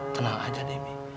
tenang aja debbie